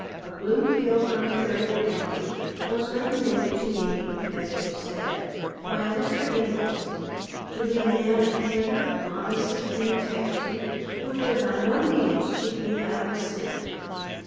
of Bloomfield, Ontario county, was recommended to me (as it was said) by a Mr. Ingles, to be a man of candor, honesty and integrity, who would by no means cheat me out of a cent.